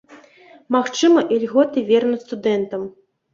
Магчыма, ільготы вернуць студэнтам.